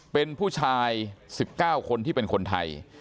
เป็นผู้ชาย๑๙คนที่เป็นคนไทย